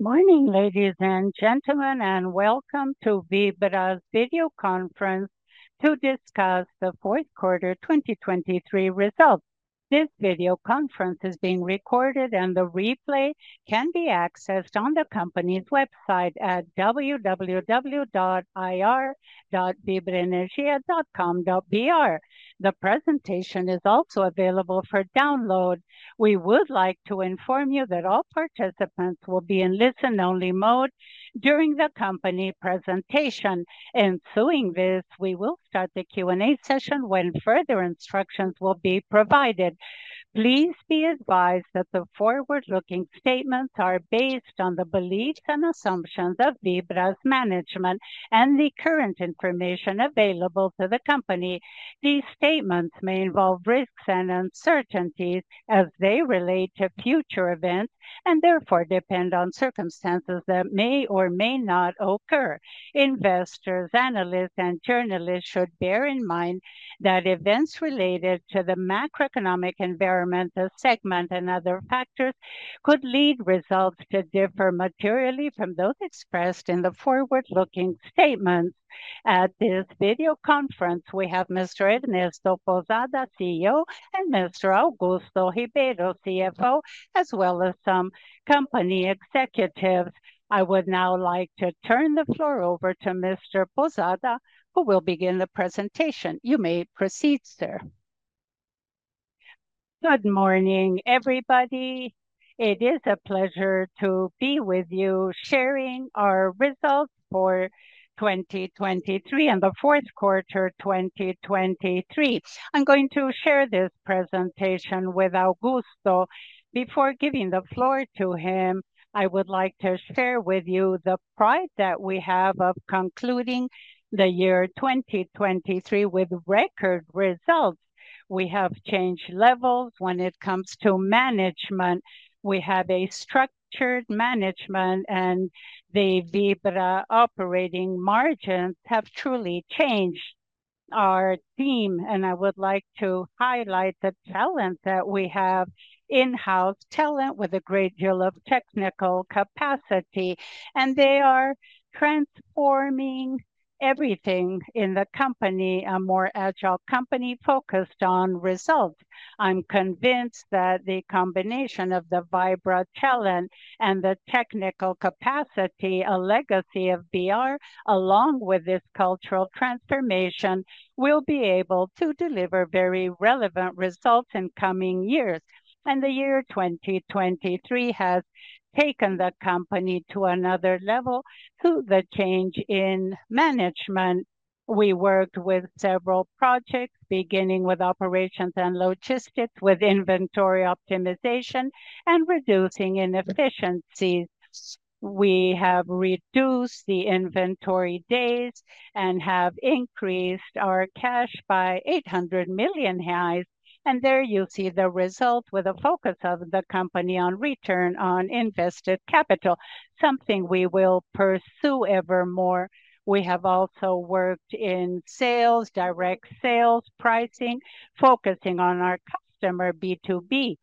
Morning ladies and gentlemen, and welcome to Vibra's video conference to discuss the fourth quarter 2023 results. This video conference is being recorded, and the replay can be accessed on the company's website at www.ir.vibraenergia.com.br. The presentation is also available for download. We would like to inform you that all participants will be in listen-only mode during the company presentation. In doing this, we will start the Q&A session when further instructions will be provided. Please be advised that the forward-looking statements are based on the beliefs and assumptions of Vibra's management and the current information available to the company. These statements may involve risks and uncertainties as they relate to future events and therefore depend on circumstances that may or may not occur. Investors, analysts, and journalists should bear in mind that events related to the macroeconomic environment, the segment, and other factors could lead results to differ materially from those expressed in the forward-looking statements. At this video conference, we have Mr. Ernesto Pousada, CEO, and Mr. Augusto Ribeiro, CFO, as well as some company executives. I would now like to turn the floor over to Mr. Pousada, who will begin the presentation. You may proceed, sir. Good morning, everybody. It is a pleasure to be with you sharing our results for 2023 and the fourth quarter 2023. I'm going to share this presentation with Augusto. Before giving the floor to him, I would like to share with you the pride that we have of concluding the year 2023 with record results. We have changed levels when it comes to management. We have a structured management, and the Vibra operating margins have truly changed our team. And I would like to highlight the talent that we have: in-house talent with a great deal of technical capacity, and they are transforming everything in the company: a more agile company focused on results. I'm convinced that the combination of the Vibra talent and the technical capacity, a legacy of BR along with this cultural transformation, will be able to deliver very relevant results in coming years. And the year 2023 has taken the company to another level through the change in management. We worked with several projects, beginning with operations and logistics, with inventory optimization and reducing inefficiencies. We have reduced the inventory days and have increased our cash by 800 million reais. And there you see the result with a focus of the company on return on invested capital, something we will pursue ever more. We have also worked in sales, direct sales pricing, focusing on our customer B2B,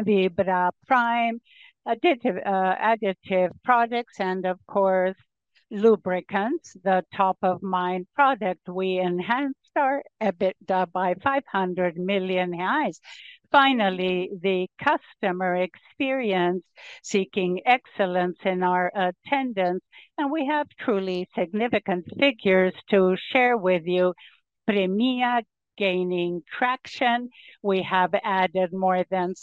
Vibra Prime additive products, and of course lubricants. The top-of-mind product we enhanced by 500 million reais. Finally, the customer experience seeking excellence in our attendance. And we have truly significant figures to share with you: Premmia gaining traction. We have added more than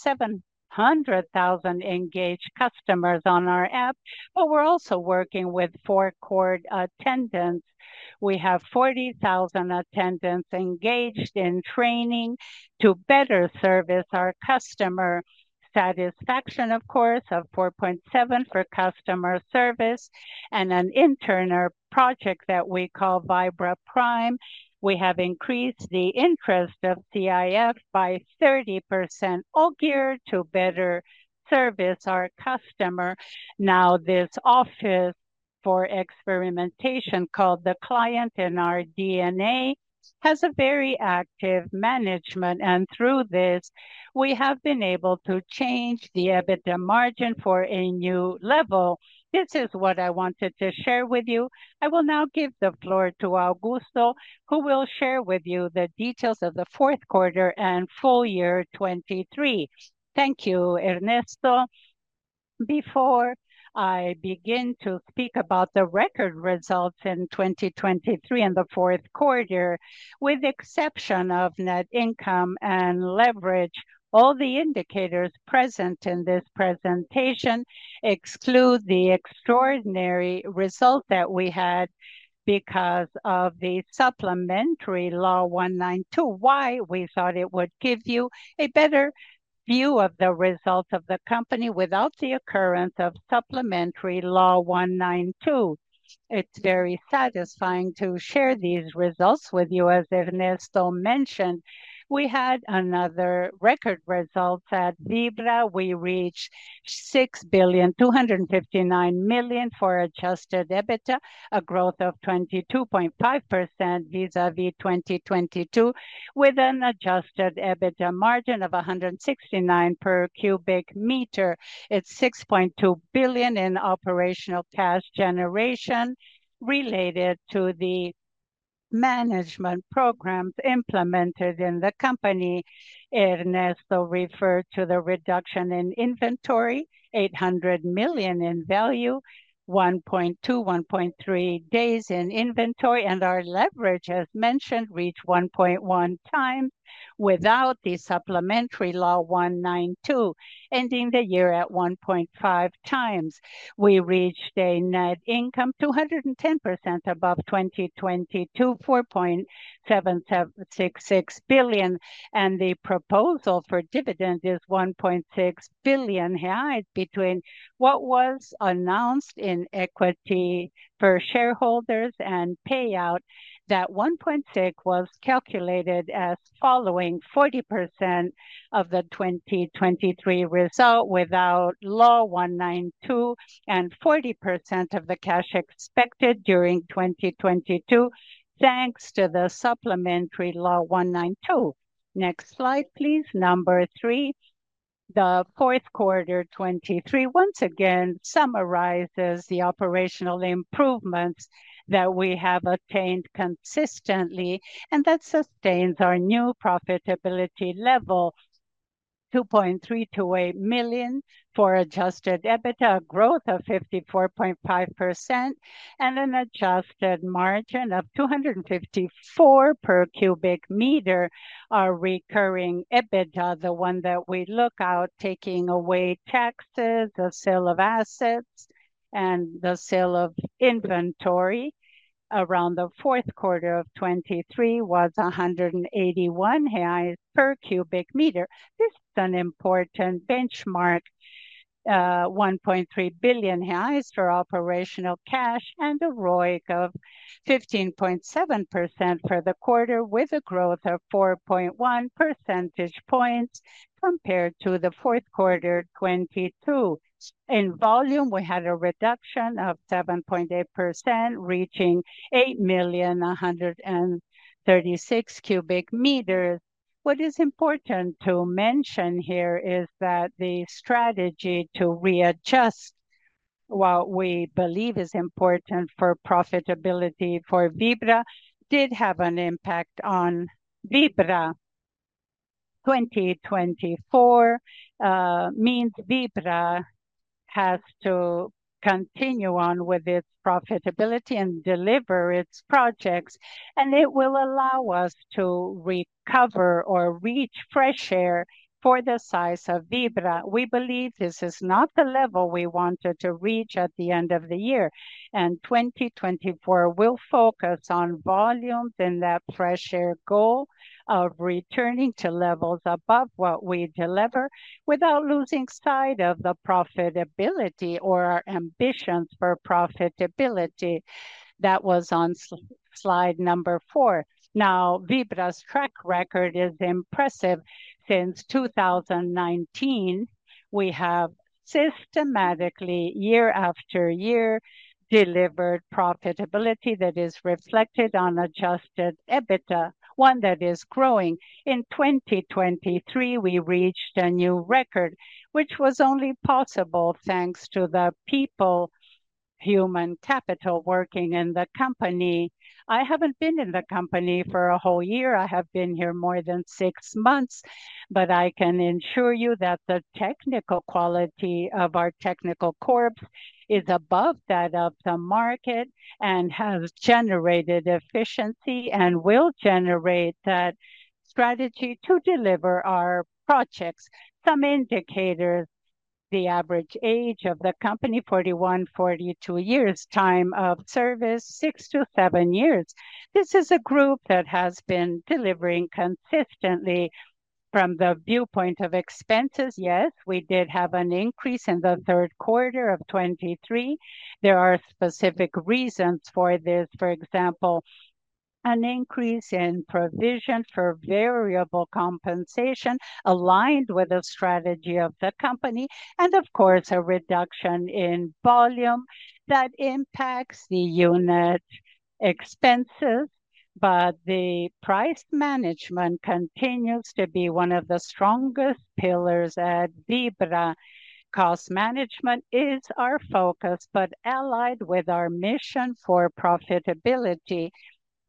700,000 engaged customers on our app, but we're also working with forecourt attendance. We have 40,000 attendants engaged in training to better service our customer satisfaction, of course, of 4.7% for customer service. And an internal project that we call Vibra Prime. We have increased the NPS by 30% all geared to better service our customer. Now, this office for experimentation called the Client in Our DNA has a very active management. Through this, we have been able to change the EBITDA margin for a new level. This is what I wanted to share with you. I will now give the floor to Augusto, who will share with you the details of the fourth quarter and full year 2023. Thank you, Ernesto. Before I begin to speak about the record results in 2023 and the fourth quarter, with the exception of net income and leverage, all the indicators present in this presentation exclude the extraordinary result that we had because of the Supplementary Law 192. Why? We thought it would give you a better view of the results of the company without the occurrence of Supplementary Law 192. It's very satisfying to share these results with you. As Ernesto mentioned, we had another record result at Vibra. We reached 6.259 billion for adjusted EBITDA, a growth of 22.5% vis-à-vis 2022, with an adjusted EBITDA margin of 169 per cubic meter. It's 6.2 billion in operational cash generation related to the management programs implemented in the company. Ernesto referred to the reduction in inventory: 800 million in value, 1.2-1.3 days in inventory. Our leverage, as mentioned, reached 1.1 times without the Supplementary Law 192, ending the year at 1.5 times. We reached a net income 210% above 2022, 4.766 billion. The proposal for dividend is 1.6 billion reais between what was announced in equity per shareholders and payout. That 1.6 billion was calculated as following 40% of the 2023 result without Law 192 and 40% of the cash expected during 2022, thanks to the Supplementary Law 192. Next slide, please. Number three, the fourth quarter 2023 once again summarizes the operational improvements that we have attained consistently, and that sustains our new profitability level: 2,328 million for adjusted EBITDA, a growth of 54.5%, and an adjusted margin of 254 per cubic meter. Our recurring EBITDA, the one that we look out, taking away taxes, the sale of assets, and the sale of inventory around the fourth quarter of 2023, was 181 reais per cubic meter. This is an important benchmark: 1.3 billion reais for operational cash and a ROIC of 15.7% for the quarter, with a growth of 4.1 percentage points compared to the fourth quarter 2022. In volume, we had a reduction of 7.8%, reaching 8,136,000 cubic meters. What is important to mention here is that the strategy to readjust, what we believe is important for profitability for Vibra, did have an impact on Vibra 2024. Means Vibra has to continue on with its profitability and deliver its projects, and it will allow us to recover or reach fair share for the size of Vibra. We believe this is not the level we wanted to reach at the end of the year, and 2024 will focus on volumes and that fair share goal of returning to levels above what we deliver without losing sight of the profitability or our ambitions for profitability. That was on slide number 4. Now, Vibra's track record is impressive. Since 2019, we have systematically, year after year, delivered profitability that is reflected on adjusted EBITDA, one that is growing. In 2023, we reached a new record, which was only possible thanks to the people, human capital working in the company. I haven't been in the company for a whole year. I have been here more than 6 months, but I can ensure you that the technical quality of our technical corps is above that of the market and has generated efficiency and will generate that strategy to deliver our projects. Some indicators: the average age of the company, 41-42 years; time of service, 6-7 years. This is a group that has been delivering consistently from the viewpoint of expenses. Yes, we did have an increase in the third quarter of 2023. There are specific reasons for this. For example, an increase in provision for variable compensation aligned with the strategy of the company. And of course, a reduction in volume that impacts the unit expenses. But the price management continues to be one of the strongest pillars at Vibra. Cost management is our focus, but allied with our mission for profitability,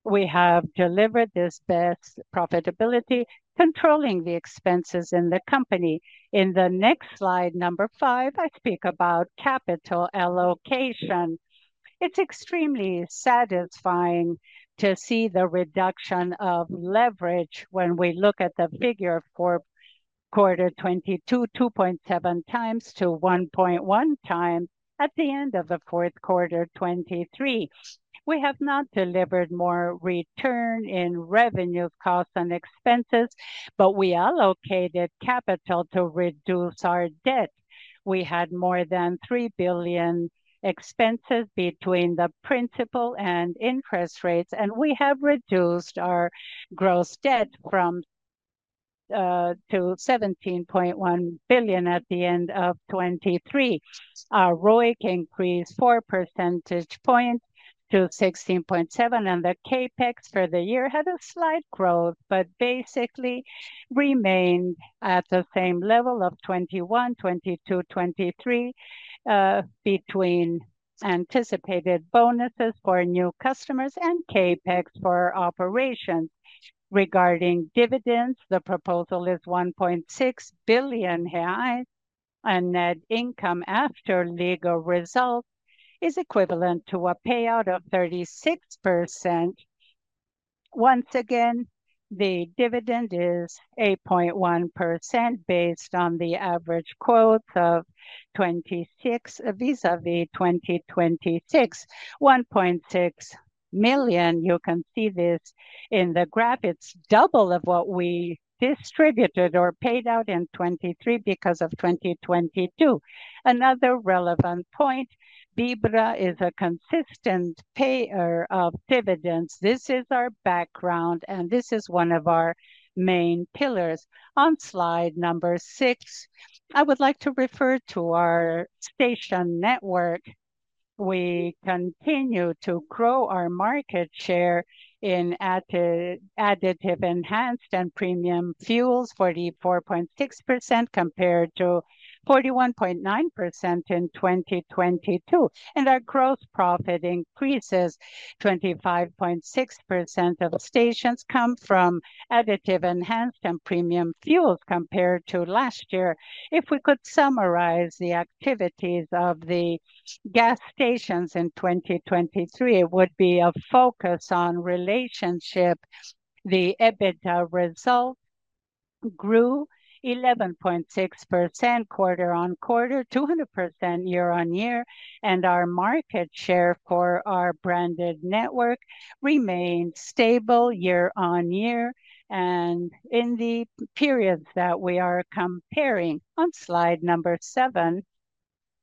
we have delivered this best profitability, controlling the expenses in the company. In the next slide, number five, I speak about capital allocation. It's extremely satisfying to see the reduction of leverage when we look at the figure of fourth quarter 2022: 2.7 times to 1.1 times at the end of the fourth quarter 2023. We have not delivered more return in revenues, costs, and expenses, but we allocated capital to reduce our debt. We had more than 3 billion in expenses between the principal and interest rates, and we have reduced our gross debt from 17.1 billion at the end of 2023. Our ROIC increased 4 percentage points to 16.7%, and the CapEx for the year had a slight growth but basically remained at the same level of 2021, 2022, and 2023 between anticipated bonuses for new customers and CapEx for operations. Regarding dividends, the proposal is 1.6 billion reais, and net income after legal results is equivalent to a payout of 36%. Once again, the dividend is 8.1% based on the average quotes of 2023 vis-à-vis 2026: 1.6 million. You can see this in the graph. It's double of what we distributed or paid out in 2023 because of 2022. Another relevant point: Vibra is a consistent payer of dividends. This is our background, and this is one of our main pillars. On slide number 6, I would like to refer to our station network. We continue to grow our market share in additive enhanced and premium fuels: 44.6% compared to 41.9% in 2022. Our gross profit increases: 25.6% of stations come from additive enhanced and premium fuels compared to last year. If we could summarize the activities of the gas stations in 2023, it would be a focus on relationship. The EBITDA results grew 11.6% quarter-on-quarter, 200% year-on-year, and our market share for our branded network remained stable year-on-year. In the periods that we are comparing on slide number 7,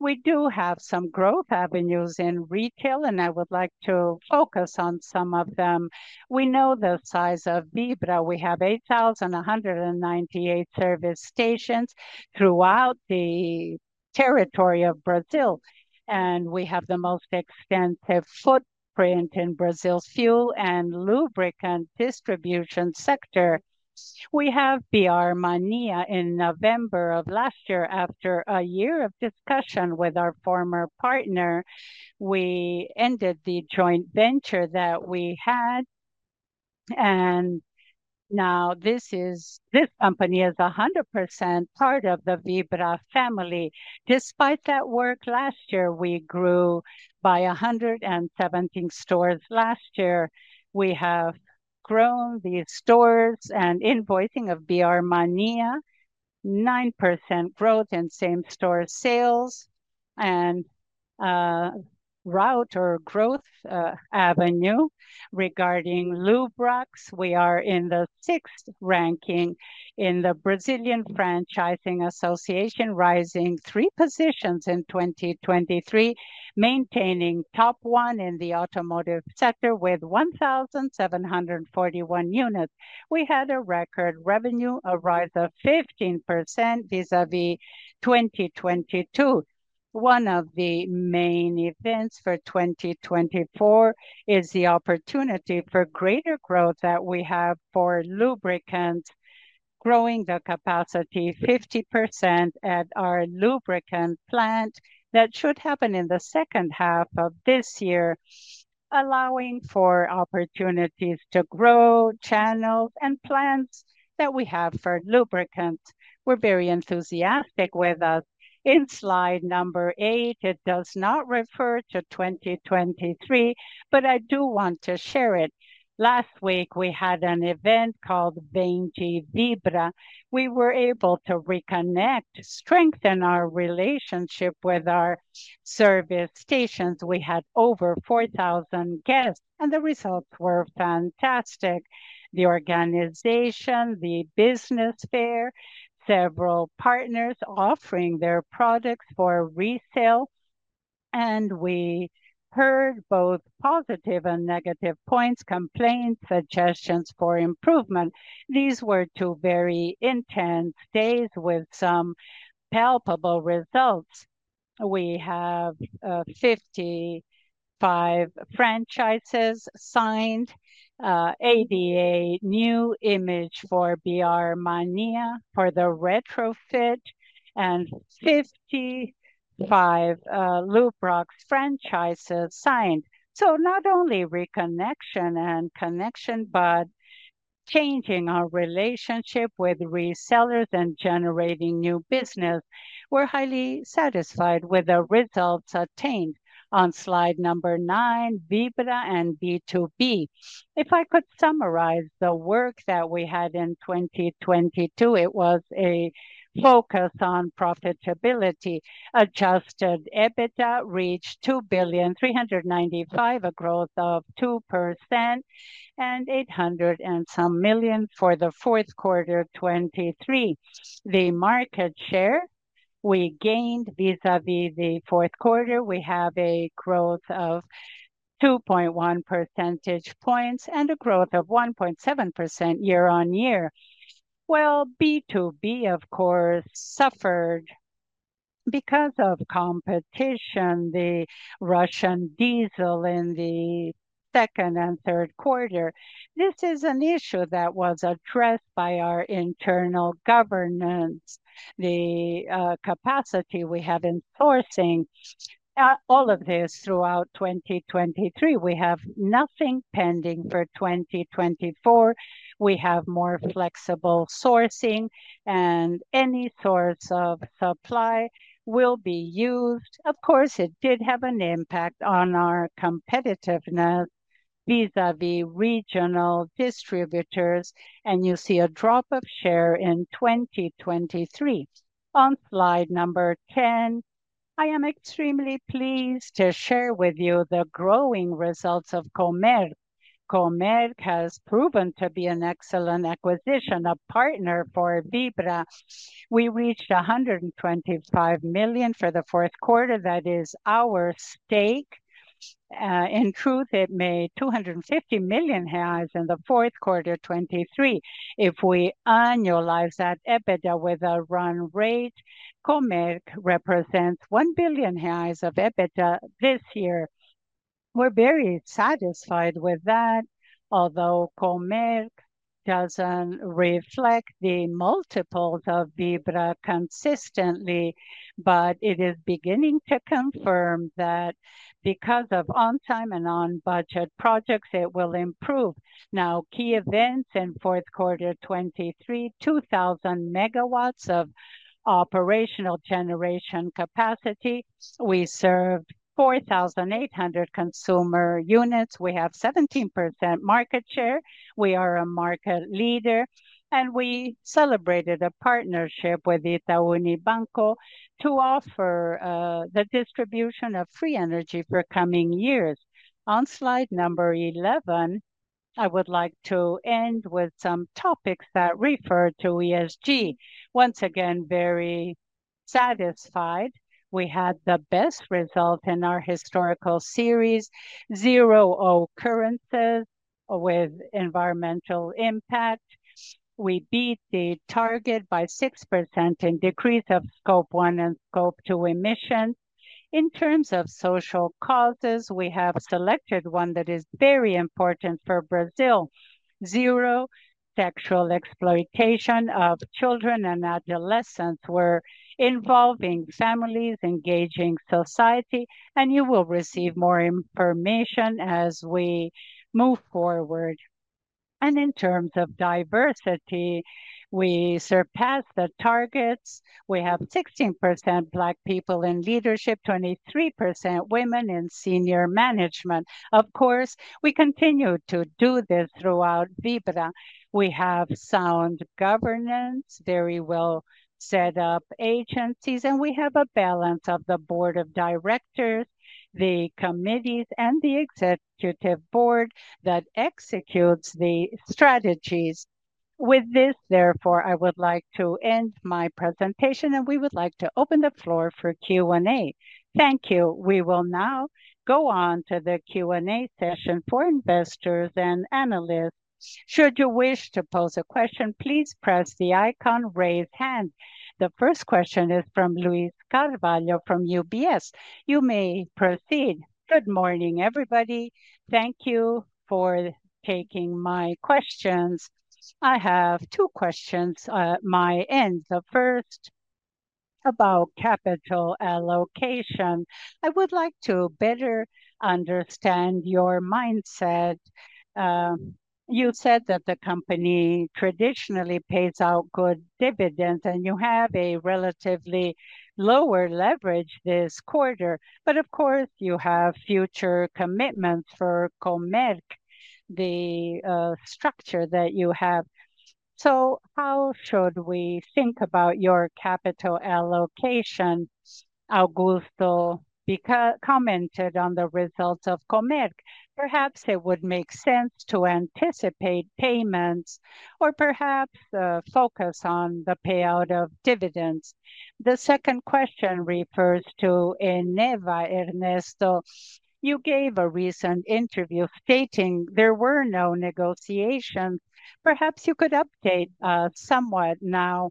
we do have some growth avenues in retail, and I would like to focus on some of them. We know the size of Vibra. We have 8,198 service stations throughout the territory of Brazil, and we have the most extensive footprint in Brazil's fuel and lubricant distribution sector. We have BR Mania in November of last year. After a year of discussion with our former partner, we ended the joint venture that we had. And now this is this company is 100% part of the Vibra family. Despite that work last year, we grew by 117 stores last year. We have grown these stores and invoicing of BR Mania: 9% growth in same-store sales and route or growth avenue. Regarding Lubrax, we are in the sixth ranking in the Brazilian Franchising Association, rising 3 positions in 2023, maintaining top 1 in the automotive sector with 1,741 units. We had a record revenue increase of 15% vis-à-vis 2022. One of the main events for 2024 is the opportunity for greater growth that we have for lubricants, growing the capacity 50% at our lubricant plant. That should happen in the second half of this year, allowing for opportunities to grow channels and plants that we have for lubricants. We're very enthusiastic with us. In slide number eight, it does not refer to 2023, but I do want to share it. Last week, we had an event called Vem pra Vibra. We were able to reconnect, strengthen our relationship with our service stations. We had over 4,000 guests, and the results were fantastic. The organization, the business fair, several partners offering their products for resale. And we heard both positive and negative points, complaints, suggestions for improvement. These were two very intense days with some palpable results. We have 55 franchises signed, 88 new images for BR Mania for the retrofit, and 55 Lubrax franchises signed. So not only reconnection and connection, but changing our relationship with resellers and generating new business. We're highly satisfied with the results attained. On slide number 9, Vibra and B2B. If I could summarize the work that we had in 2022, it was a focus on profitability. Adjusted EBITDA reached 2,395,000, a growth of 2%, and 800 and some million for the fourth quarter 2023. The market share we gained vis-à-vis the fourth quarter, we have a growth of 2.1 percentage points and a growth of 1.7% year-on-year. Well, B2B, of course, suffered because of competition. The Russian diesel in the second and third quarter. This is an issue that was addressed by our internal governance. The capacity we have in sourcing, all of this throughout 2023. We have nothing pending for 2024. We have more flexible sourcing, and any source of supply will be used. Of course, it did have an impact on our competitiveness vis-à-vis regional distributors. You see a drop of share in 2023. On slide number 10, I am extremely pleased to share with you the growing results of Comerc. Comerc has proven to be an excellent acquisition, a partner for Vibra. We reached 125 million for the fourth quarter. That is our stake. In truth, it made 250 million reais in the fourth quarter 2023. If we annualize that EBITDA with a run rate, Comerc represents 1 billion reais of EBITDA this year. We're very satisfied with that, although Comerc doesn't reflect the multiples of Vibra consistently. But it is beginning to confirm that because of on-time and on-budget projects, it will improve. Now, key events in fourth quarter 2023: 2,000 megawatts of operational generation capacity. We served 4,800 consumer units. We have 17% market share. We are a market leader, and we celebrated a partnership with Itaú Unibanco to offer the distribution of free energy for coming years. On slide number 11, I would like to end with some topics that refer to ESG. Once again, very satisfied. We had the best result in our historical series: zero occurrences with environmental impact. We beat the target by 6% in decrease of Scope One and Scope Two emissions. In terms of social causes, we have selected one that is very important for Brazil: zero sexual exploitation of children and adolescents. We're involving families, engaging society, and you will receive more information as we move forward. And in terms of diversity, we surpassed the targets. We have 16% Black people in leadership, 23% women in senior management. Of course, we continue to do this throughout Vibra. We have sound governance, very well set up agencies, and we have a balance of the board of directors, the committees, and the executive board that executes the strategies. With this, therefore, I would like to end my presentation, and we would like to open the floor for Q&A. Thank you. We will now go on to the Q&A session for investors and analysts. Should you wish to pose a question, please press the icon "Raise Hand." The first question is from Luiz Carvalho from UBS. You may proceed. Good morning, everybody. Thank you for taking my questions. I have two questions at my end. The first about capital allocation. I would like to better understand your mindset. You said that the company traditionally pays out good dividends, and you have a relatively lower leverage this quarter. But of course, you have future commitments for Comerc, the structure that you have. So how should we think about your capital allocation? Augusto commented on the results of Comerc: "Perhaps it would make sense to anticipate payments or perhaps focus on the payout of dividends." The second question refers to Eneva, Ernesto. You gave a recent interview stating there were no negotiations. Perhaps you could update us somewhat now.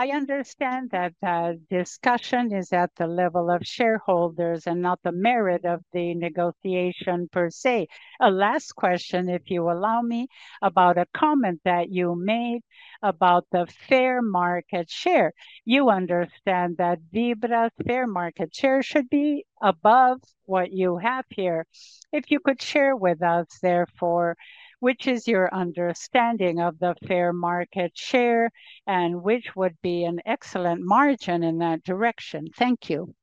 I understand that the discussion is at the level of shareholders and not the merit of the negotiation per se. A last question, if you allow me, about a comment that you made about the fair market share. You understand that Vibra's fair market share should be above what you have here. If you could share with us, therefore, which is your understanding of the fair market share and which would be an excellent margin in that direction? Thank you.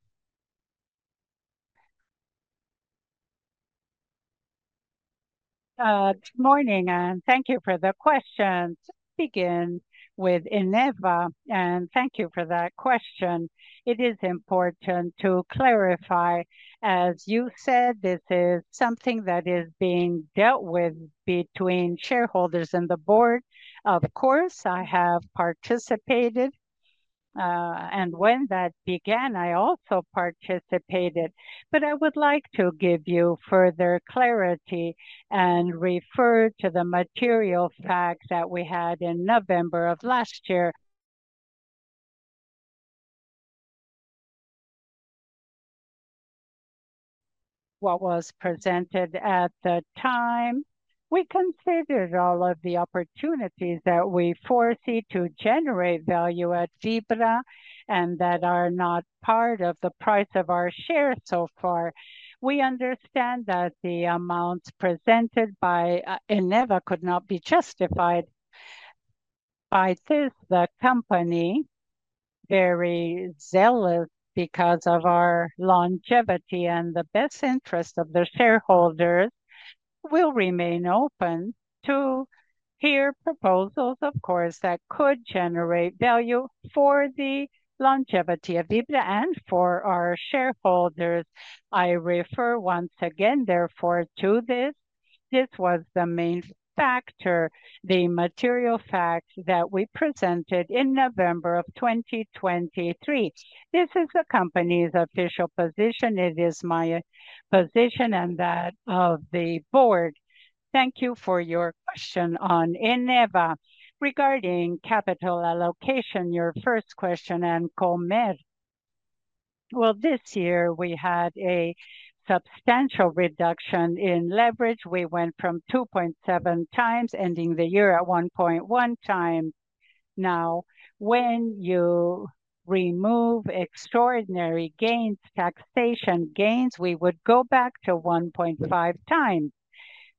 Good morning, and thank you for the questions. I'll begin with Eneva, and thank you for that question. It is important to clarify. As you said, this is something that is being dealt with between shareholders and the board. Of course, I have participated, and when that began, I also participated. But I would like to give you further clarity and refer to the material facts that we had in November of last year. What was presented at the time? We considered all of the opportunities that we foresee to generate value at Vibra and that are not part of the price of our share so far. We understand that the amounts presented by Eneva could not be justified by this. The company, very zealous because of our longevity and the best interest of the shareholders, will remain open to hear proposals, of course, that could generate value for the longevity of Vibra and for our shareholders. I refer once again, therefore, to this. This was the main factor, the material facts that we presented in November of 2023. This is the company's official position. It is my position and that of the board. Thank you for your question on Eneva regarding capital allocation. Your first question on Comerc? Well, this year we had a substantial reduction in leverage. We went from 2.7 times, ending the year at 1.1 times. Now, when you remove extraordinary gains, taxation gains, we would go back to 1.5 times.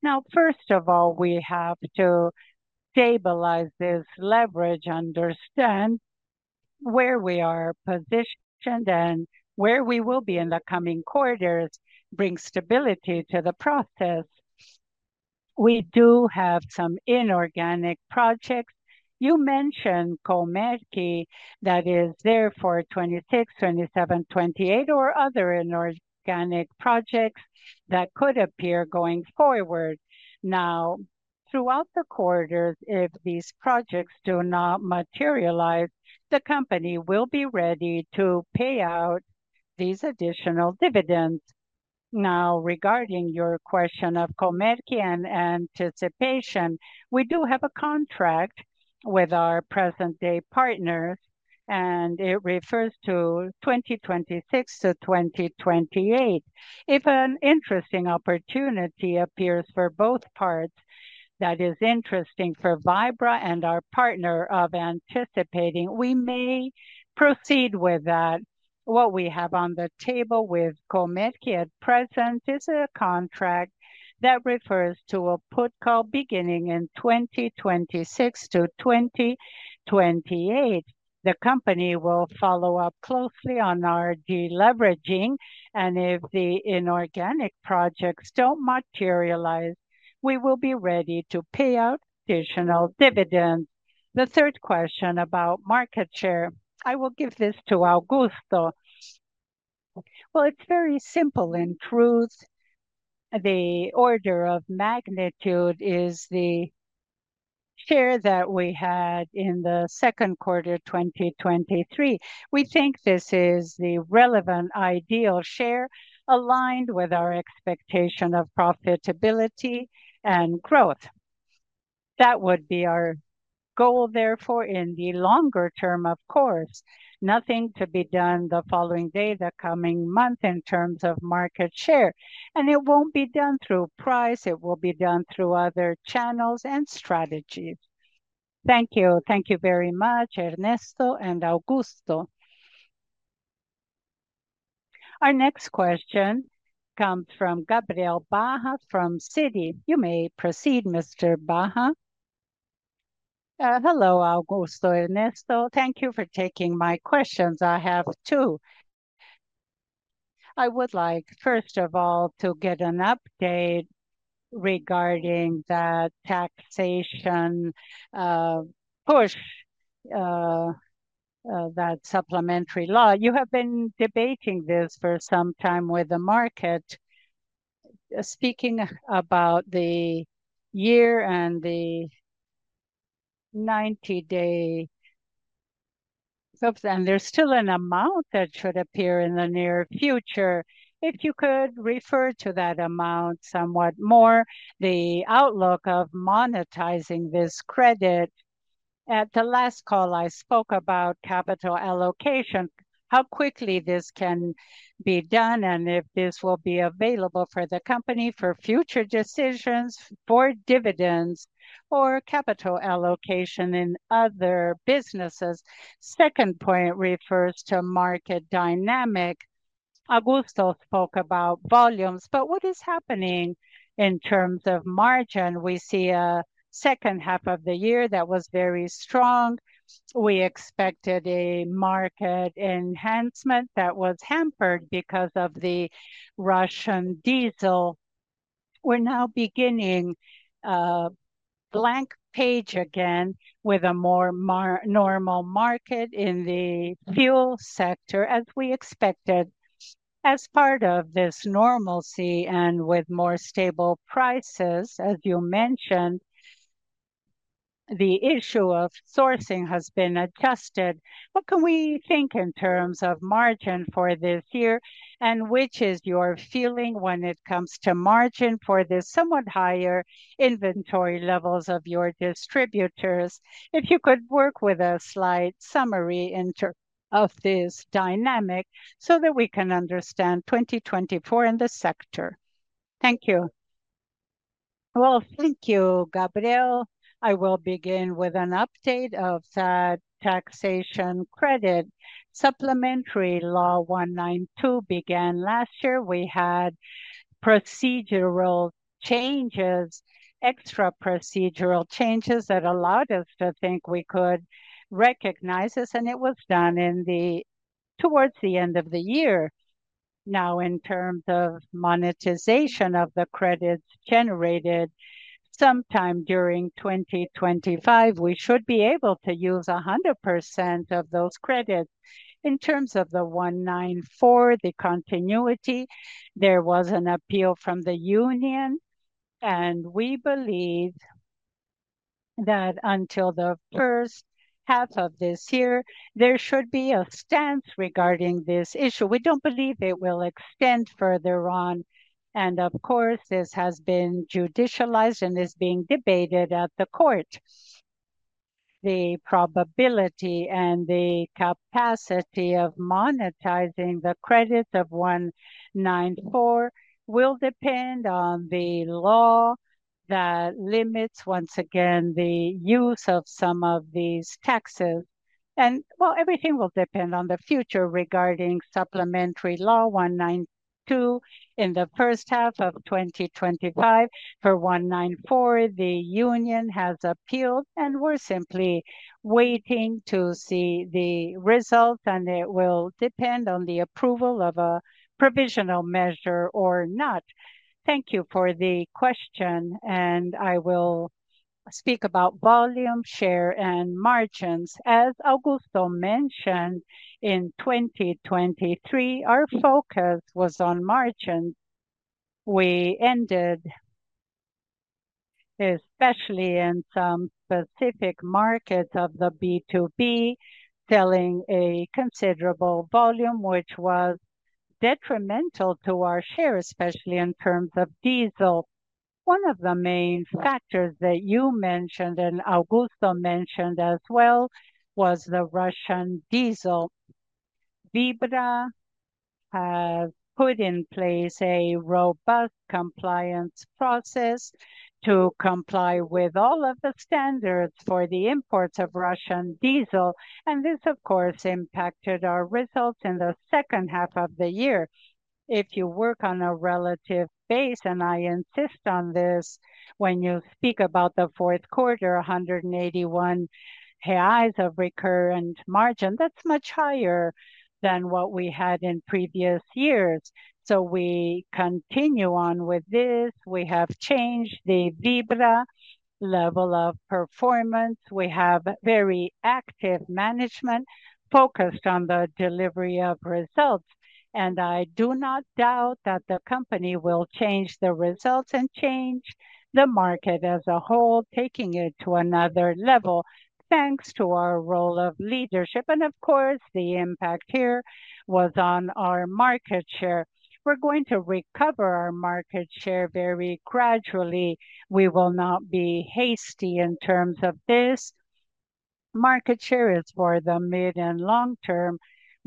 Now, first of all, we have to stabilize this leverage. Understand where we are positioned and where we will be in the coming quarters brings stability to the process. We do have some inorganic projects. You mentioned Comerc that is there for 2026, 2027, 2028, or other inorganic projects that could appear going forward. Now, throughout the quarters, if these projects do not materialize, the company will be ready to pay out these additional dividends. Now, regarding your question of Comerc and anticipation, we do have a contract with our present-day partners, and it refers to 2026 to 2028. If an interesting opportunity appears for both parts that is interesting for Vibra and our partner of anticipating, we may proceed with that. What we have on the table with Comerc at present is a contract that refers to a put call beginning in 2026 to 2028. The company will follow up closely on our deleveraging, and if the inorganic projects don't materialize, we will be ready to pay out additional dividends. The third question about market share? I will give this to Augusto. Well, it's very simple. In truth, the order of magnitude is the share that we had in the second quarter 2023. We think this is the relevant ideal share aligned with our expectation of profitability and growth. That would be our goal, therefore, in the longer term, of course. Nothing to be done the following day, the coming month in terms of market share. And it won't be done through price. It will be done through other channels and strategies. Thank you. Thank you very much, Ernesto and Augusto. Our next question comes from Gabriel Barra from Citi. You may proceed, Mr. Barra. Hello, Augusto. Ernesto, thank you for taking my questions. I have two. I would like, first of all, to get an update regarding that taxation push, that supplementary law. You have been debating this for some time with the market, speaking about the year and the 90-day fix, and there's still an amount that should appear in the near future. If you could refer to that amount somewhat more. The outlook of monetizing this credit. At the last call, I spoke about capital allocation, how quickly this can be done, and if this will be available for the company for future decisions for dividends or capital allocation in other businesses. Second point refers to market dynamic. Augusto spoke about volumes, but what is happening in terms of margin? We see a second half of the year that was very strong. We expected a market enhancement that was hampered because of the Russian Diesel. We're now beginning a blank page again with a more normal market in the fuel sector, as we expected, as part of this normalcy and with more stable prices. As you mentioned, the issue of sourcing has been adjusted. What can we think in terms of margin for this year, and which is your feeling when it comes to margin for this somewhat higher inventory levels of your distributors? If you could work with a slight summary of this dynamic so that we can understand 2024 in the sector. Thank you. Well, thank you, Gabriel. I will begin with an update of that taxation credit. Supplementary Law 192 began last year. We had procedural changes, extra procedural changes that allowed us to think we could recognize this. And it was done towards the end of the year. Now, in terms of monetization of the credits generated sometime during 2025, we should be able to use 100% of those credits. In terms of the 194, the continuity, there was an appeal from the union, and we believe that until the first half of this year, there should be a stance regarding this issue. We don't believe it will extend further on. And of course, this has been judicialized and is being debated at the court. The probability and the capacity of monetizing the credits of 194 will depend on the law that limits, once again, the use of some of these taxes. And well, everything will depend on the future regarding Supplementary Law 192 in the first half of 2025. For 194, the union has appealed, and we're simply waiting to see the results, and it will depend on the approval of a provisional measure or not. Thank you for the question, and I will speak about volume, share, and margins. As Augusto mentioned, in 2023, our focus was on margins. We ended, especially in some specific markets of the B2B, selling a considerable volume, which was detrimental to our share, especially in terms of diesel. One of the main factors that you mentioned and Augusto mentioned as well was the Russian diesel. Vibra has put in place a robust compliance process to comply with all of the standards for the imports of Russian diesel. And this, of course, impacted our results in the second half of the year. If you work on a relative base, and I insist on this, when you speak about the fourth quarter, 1.81 reais of recurrent margin, that's much higher than what we had in previous years. So we continue on with this. We have changed the Vibra level of performance. We have very active management focused on the delivery of results. I do not doubt that the company will change the results and change the market as a whole, taking it to another level thanks to our role of leadership. Of course, the impact here was on our market share. We're going to recover our market share very gradually. We will not be hasty in terms of this. Market share is for the mid and long term.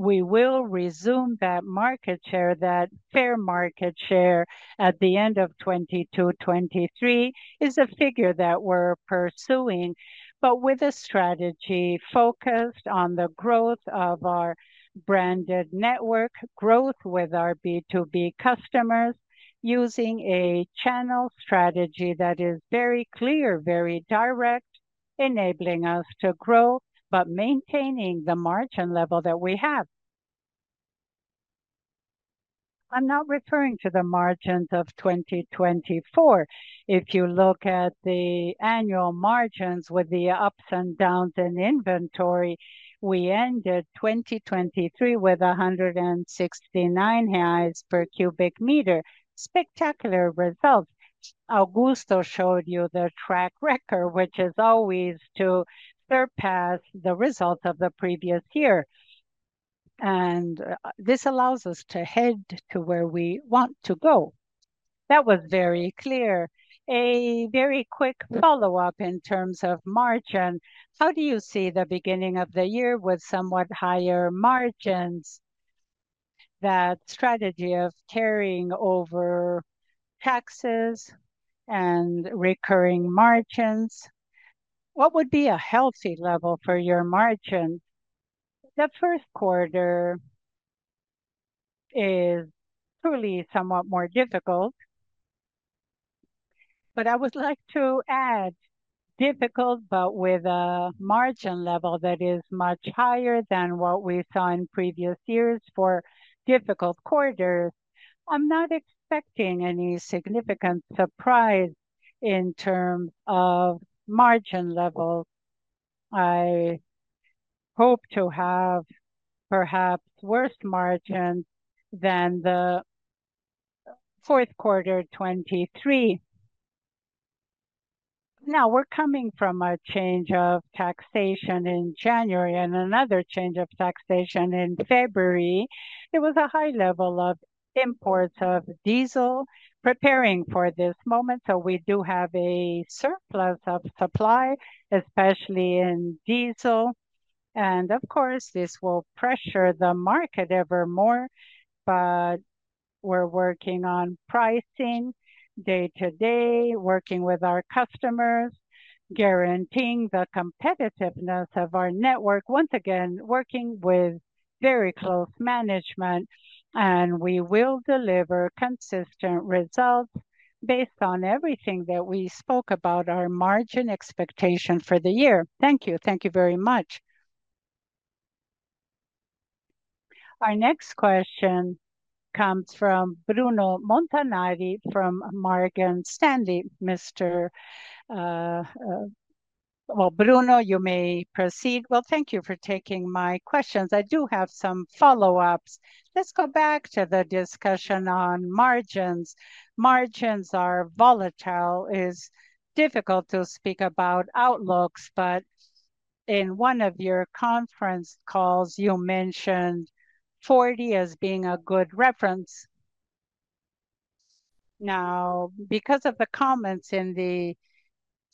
We will resume that market share, that fair market share at the end of 2022-2023 is a figure that we're pursuing, but with a strategy focused on the growth of our branded network, growth with our B2B customers, using a channel strategy that is very clear, very direct, enabling us to grow but maintaining the margin level that we have. I'm not referring to the margins of 2024. If you look at the annual margins with the ups and downs in inventory, we ended 2023 with 169 Reais per cubic meter. Spectacular results. Augusto showed you the track record, which is always to surpass the results of the previous year. And this allows us to head to where we want to go. That was very clear. A very quick follow-up in terms of margin. How do you see the beginning of the year with somewhat higher margins? That strategy of carrying over the taxes and recurring margins. What would be a healthy level for your margin? The first quarter is truly somewhat more difficult. But I would like to add difficult but with a margin level that is much higher than what we saw in previous years for difficult quarters. I'm not expecting any significant surprise in terms of margin levels. I hope to have perhaps worse margins than the fourth quarter 2023. Now, we're coming from a change of taxation in January and another change of taxation in February. There was a high level of imports of diesel preparing for this moment. So we do have a surplus of supply, especially in diesel. And of course, this will pressure the market ever more. But we're working on pricing day to day, working with our customers, guaranteeing the competitiveness of our network. Once again, working with very close management, and we will deliver consistent results based on everything that we spoke about, our margin expectation for the year. Thank you. Thank you very much. Our next question comes from Bruno Montanari from Morgan Stanley. Ernesto. Well, Bruno, you may proceed. Well, thank you for taking my questions. I do have some follow-ups. Let's go back to the discussion on margins. Margins are volatile. It is difficult to speak about outlooks. But in one of your conference calls, you mentioned 40 as being a good reference. Now, because of the comments in the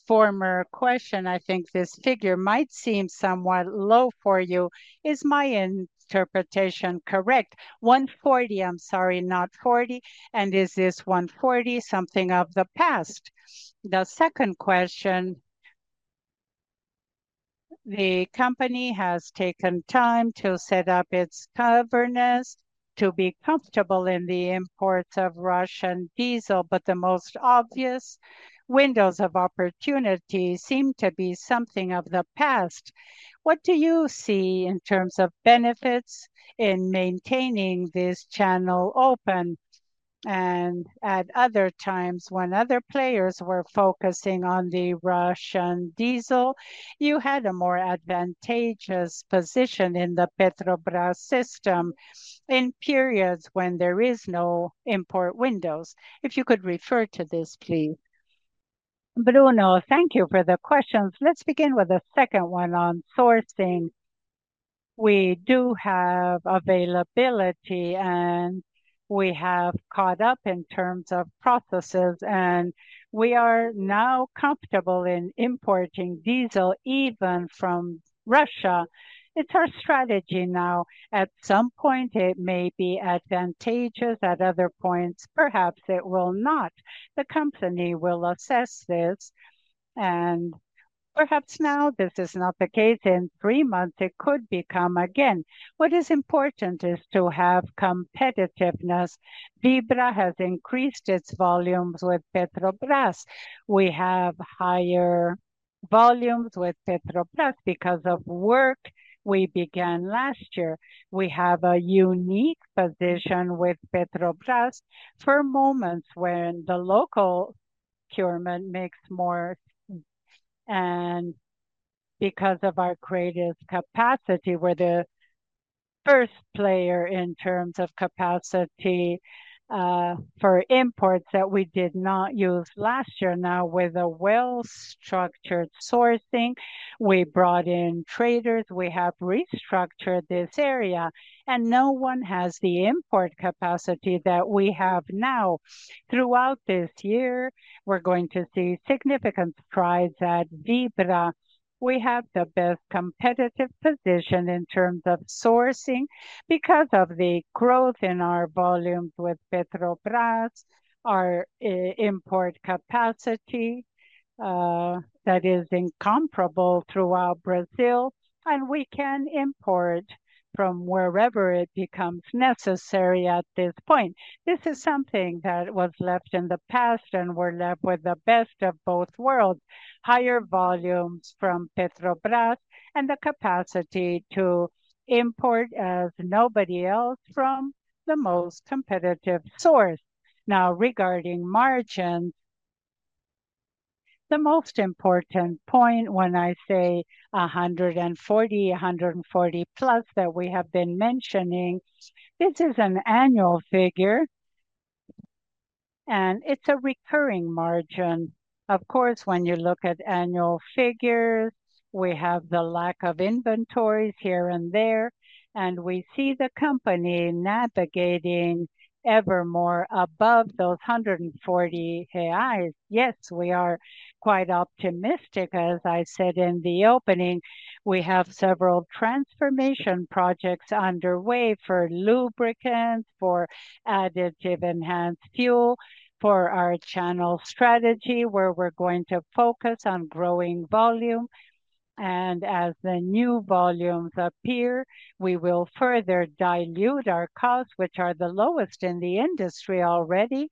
former question, I think this figure might seem somewhat low for you. Is my interpretation correct? 140. I'm sorry, not 40. And is this 140 something of the past? The second question. The company has taken time to set up its governance to be comfortable in the imports of Russian diesel. But the most obvious windows of opportunity seem to be something of the past. What do you see in terms of benefits in maintaining this channel open? And at other times when other players were focusing on the Russian diesel, you had a more advantageous position in the Petrobras system in periods when there are no import windows. If you could refer to this, please. Bruno, thank you for the questions. Let's begin with the second one on sourcing. We do have availability, and we have caught up in terms of processes, and we are now comfortable in importing diesel even from Russia. It's our strategy now. At some point, it may be advantageous. At other points, perhaps it will not. The company will assess this, and perhaps now this is not the case. In three months, it could become again. What is important is to have competitiveness. Vibra has increased its volumes with Petrobras. We have higher volumes with Petrobras because of work we began last year. We have a unique position with Petrobras for moments when the local procurement makes more. And because of our greatest capacity, we're the first player in terms of capacity for imports that we did not use last year. Now, with a well-structured sourcing, we brought in traders. We have restructured this area, and no one has the import capacity that we have now. Throughout this year, we're going to see significant surprises at Vibra. We have the best competitive position in terms of sourcing because of the growth in our volumes with Petrobras, our import capacity that is incomparable throughout Brazil. We can import from wherever it becomes necessary at this point. This is something that was left in the past, and we're left with the best of both worlds: higher volumes from Petrobras and the capacity to import as nobody else from the most competitive source. Now, regarding margins. The most important point when I say 140, 140 plus that we have been mentioning, this is an annual figure, and it's a recurring margin. Of course, when you look at annual figures, we have the lack of inventories here and there, and we see the company navigating ever more above those 140 HEIs. Yes, we are quite optimistic. As I said in the opening, we have several transformation projects underway for lubricants, for additive enhanced fuel, for our channel strategy where we're going to focus on growing volume. And as the new volumes appear, we will further dilute our costs, which are the lowest in the industry already.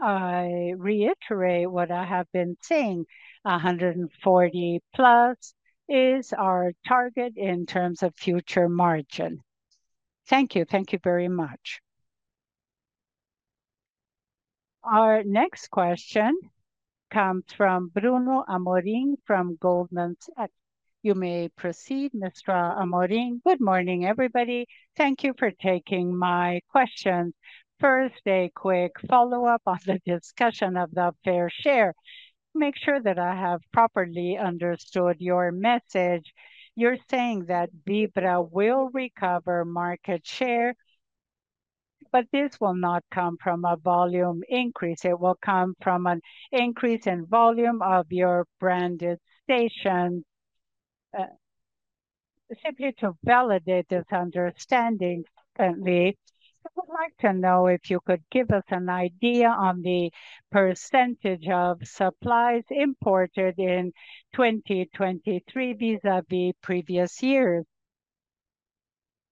I reiterate what I have been saying: 140 plus is our target in terms of future margin. Thank you. Thank you very much. Our next question comes from Bruno Amorim from Goldman Sachs. You may proceed, Mr. Amorim. Good morning, everybody. Thank you for taking my questions. First, a quick follow-up on the discussion of the fair share. Make sure that I have properly understood your message. You're saying that Vibra will recover market share, but this will not come from a volume increase. It will come from an increase in volume of your branded stations. Simply to validate this understanding, I would like to know if you could give us an idea on the percentage of supplies imported in 2023 vis-à-vis previous years.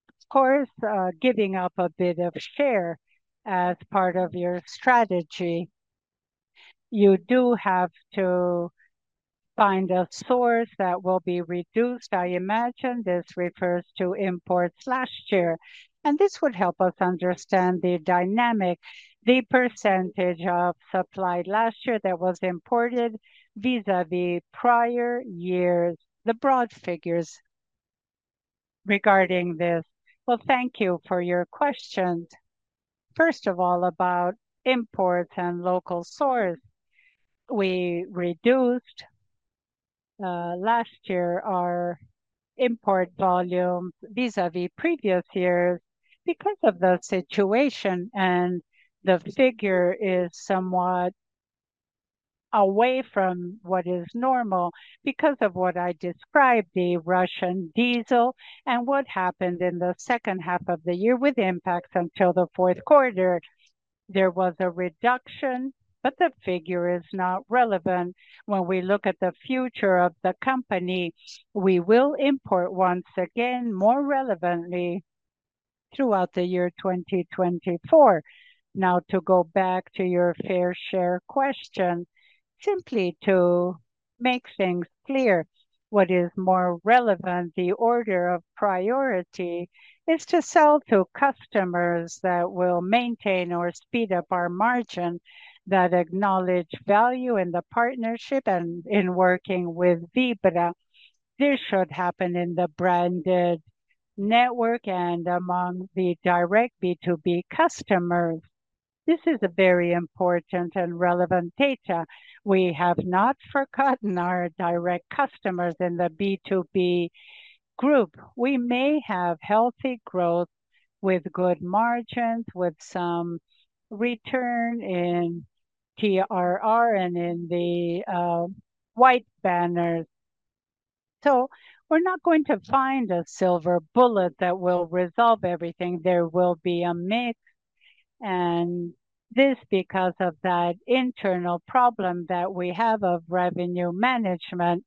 Of course, giving up a bit of share as part of your strategy. You do have to find a source that will be reduced. I imagine this refers to imports last year, and this would help us understand the dynamic, the percentage of supply last year that was imported vis-à-vis prior years, the broad figures regarding this. Well, thank you for your questions. First of all, about imports and local source. We reduced last year our import volumes vis-à-vis previous years because of the situation, and the figure is somewhat away from what is normal because of what I described, the Russian diesel and what happened in the second half of the year with impacts until the fourth quarter. There was a reduction, but the figure is not relevant. When we look at the future of the company, we will import once again, more relevantly throughout the year 2024. Now, to go back to your fair share question, simply to make things clear, what is more relevant? The order of priority is to sell to customers that will maintain or speed up our margin, that acknowledge value in the partnership and in working with Vibra. This should happen in the branded network and among the direct B2B customers. This is a very important and relevant data. We have not forgotten our direct customers in the B2B group. We may have healthy growth with good margins, with some return in TRR and in the White Banners. So we're not going to find a silver bullet that will resolve everything. There will be a mix. And this is because of that internal problem that we have of revenue management,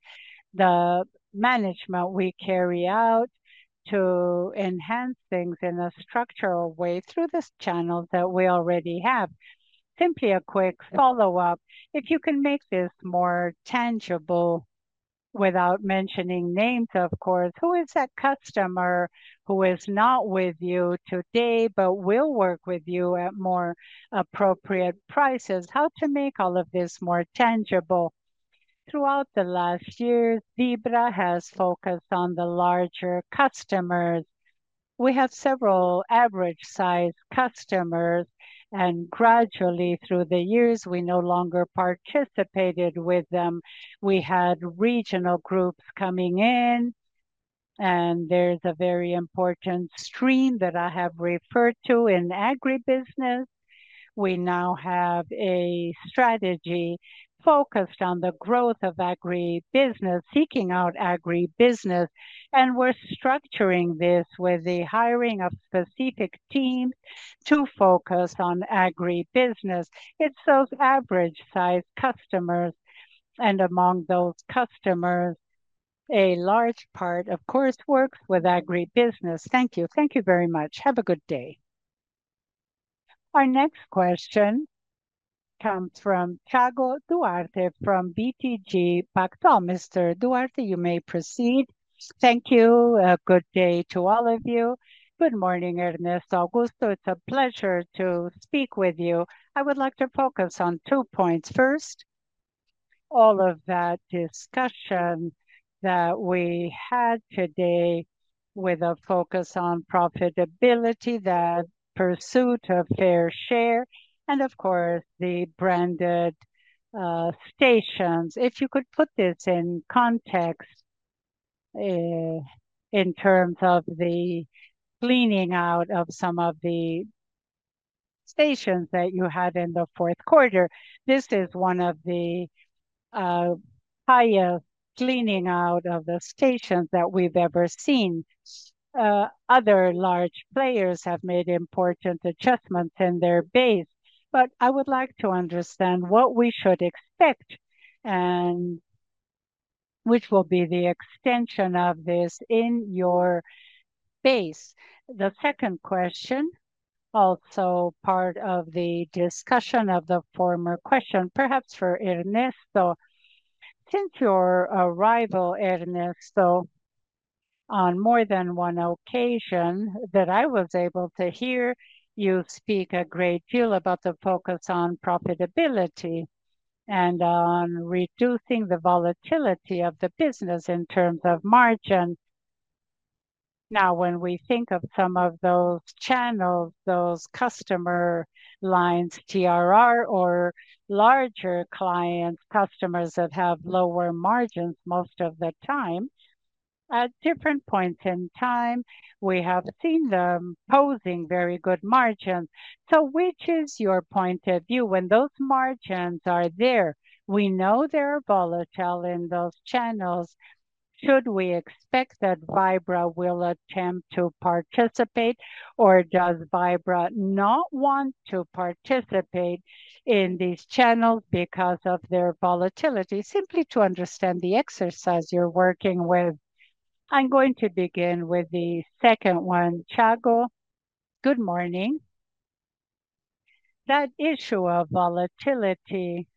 the management we carry out to enhance things in a structural way through this channel that we already have. Simply a quick follow-up. If you can make this more tangible without mentioning names, of course, who is that customer who is not with you today but will work with you at more appropriate prices? How to make all of this more tangible? Throughout the last years, Vibra has focused on the larger customers. We have several average-sized customers, and gradually through the years, we no longer participated with them. We had regional groups coming in, and there's a very important stream that I have referred to in agribusiness. We now have a strategy focused on the growth of agribusiness, seeking out agribusiness, and we're structuring this with the hiring of specific teams to focus on agribusiness. It's those average-sized customers. And among those customers, a large part, of course, works with agribusiness. Thank you. Thank you very much. Have a good day. Our next question comes from Tiago Duarte from BTG Pactual. Mr. Duarte, you may proceed. Thank you. A good day to all of you. Good morning, Ernesto. Augusto. It's a pleasure to speak with you. I would like to focus on two points. First, all of that discussion that we had today with a focus on profitability, the pursuit of fair share, and of course, the branded stations. If you could put this in context, in terms of the cleaning out of some of the stations that you had in the fourth quarter, this is one of the highest cleaning out of the stations that we've ever seen. Other large players have made important adjustments in their base, but I would like to understand what we should expect and which will be the extension of this in your base. The second question, also part of the discussion of the former question, perhaps for Ernesto. Since your arrival, Ernesto, on more than one occasion, that I was able to hear you speak a great deal about the focus on profitability and on reducing the volatility of the business in terms of margin. Now, when we think of some of those channels, those customer lines, TRR, or larger clients, customers that have lower margins most of the time, at different points in time, we have seen them posing very good margins. So which is your point of view? When those margins are there, we know they are volatile in those channels. Should we expect that Vibra will attempt to participate, or does Vibra not want to participate in these channels because of their volatility? Simply to understand the exercise you're working with, I'm going to begin with the second one. Tiago, good morning. That issue of volatility,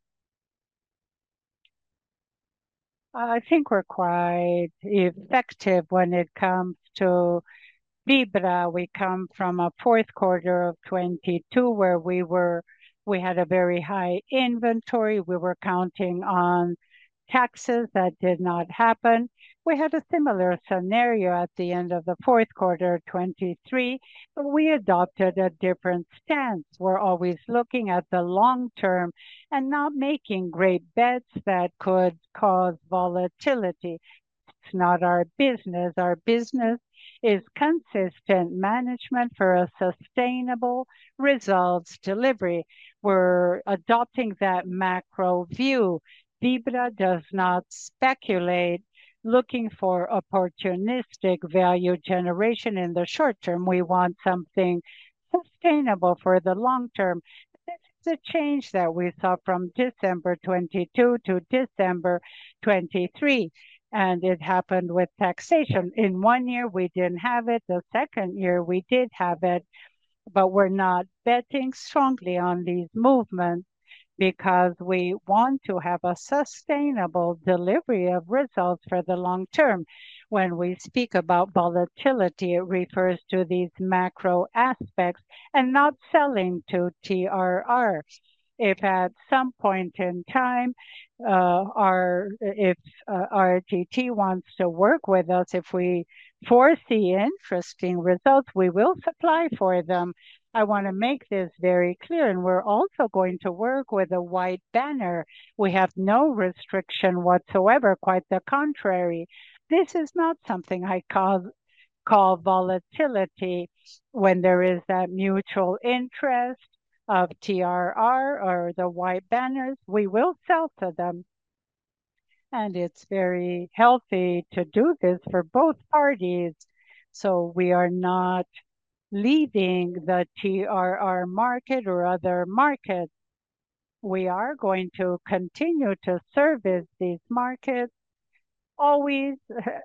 I think, is quite effective when it comes to Vibra. We come from a fourth quarter of 2022 where we had a very high inventory. We were counting on taxes. That did not happen. We had a similar scenario at the end of the fourth quarter of 2023, but we adopted a different stance. We're always looking at the long term and not making great bets that could cause volatility. It's not our business. Our business is consistent management for a sustainable results delivery. We're adopting that macro view. Vibra does not speculate looking for opportunistic value generation in the short term. We want something sustainable for the long term. This is the change that we saw from December 2022 to December 2023, and it happened with taxation. In one year, we didn't have it. The second year, we did have it, but we're not betting strongly on these movements because we want to have a sustainable delivery of results for the long term. When we speak about volatility, it refers to these macro aspects and not selling to TRR. If at some point in time, our TRR wants to work with us, if we foresee interesting results, we will supply for them. I want to make this very clear, and we're also going to work with a white banner. We have no restriction whatsoever. Quite the contrary. This is not something I call volatility. When there is that mutual interest of TRR or the white banners, we will sell to them, and it's very healthy to do this for both parties. So we are not leaving the TRR market or other markets. We are going to continue to service these markets, always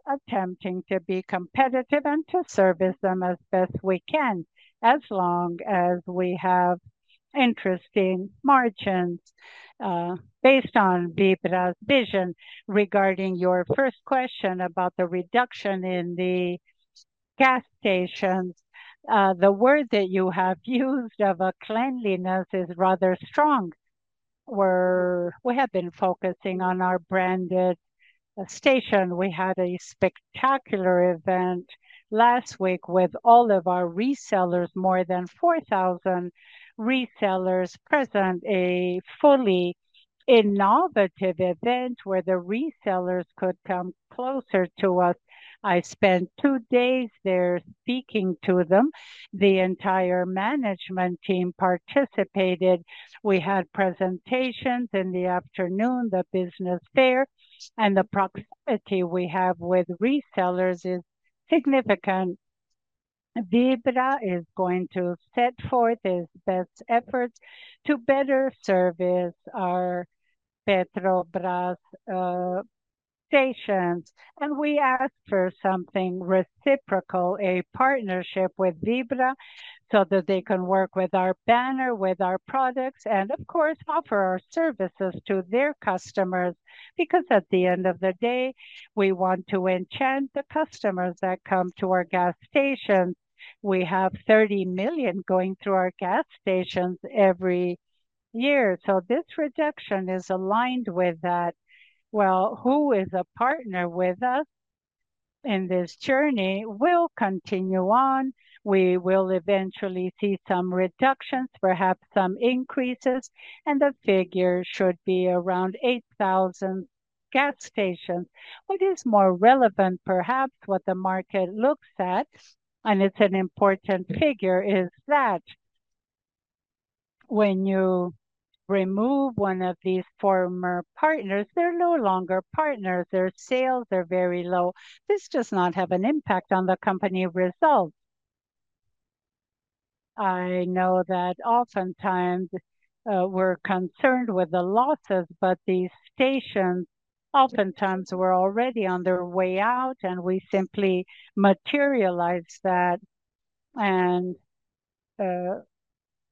attempting to be competitive and to service them as best we can, as long as we have interesting margins, based on Vibra's vision. Regarding your first question about the reduction in the gas stations, the word that you have used of cleanliness is rather strong. We have been focusing on our branded stations. We had a spectacular event last week with all of our resellers, more than 4,000 resellers present, a fully innovative event where the resellers could come closer to us. I spent two days there speaking to them. The entire management team participated. We had presentations in the afternoon, the business fair, and the proximity we have with resellers is significant. Vibra is going to set forth its best efforts to better service our Petrobras stations. We ask for something reciprocal, a partnership with Vibra so that they can work with our banner, with our products, and of course, offer our services to their customers. Because at the end of the day, we want to enchant the customers that come to our gas stations. We have 30 million going through our gas stations every year. So this reduction is aligned with that. Well, who is a partner with us in this journey will continue on. We will eventually see some reductions, perhaps some increases, and the figure should be around 8,000 gas stations. What is more relevant, perhaps what the market looks at, and it's an important figure, is that when you remove one of these former partners, they're no longer partners. Their sales are very low. This does not have an impact on the company results. I know that oftentimes, we're concerned with the losses, but these stations oftentimes were already on their way out, and we simply materialize that.